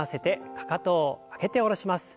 かかとを上げて下ろします。